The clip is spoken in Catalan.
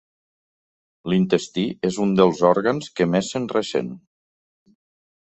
L'intestí és un dels òrgans que més se'n ressent.